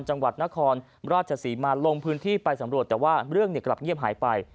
จังหวัดนครราชศรีมาลงพื้นที่ไปสำรวจแต่ว่าเรื่องกลับเงียบหายไป